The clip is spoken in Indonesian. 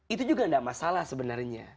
itu juga tidak masalah sebenarnya